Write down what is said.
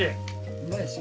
うまいでしょ？